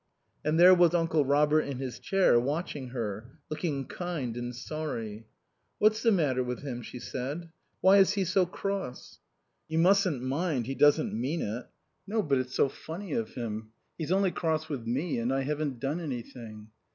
And there was Uncle Robert in his chair, watching her, looking kind and sorry. "What's the matter with him?" she said. "Why is he so cross?" "You mustn't mind. He doesn't mean it." "No, but it's so funny of him. He's only cross with me; and I haven't done anything."